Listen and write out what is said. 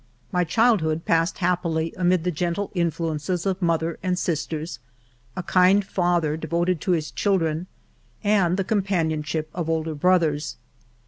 My childhood passed hap pily amid the gentle influences of mother and sisters, a kind father devoted to his children, and the companionship of older brothers.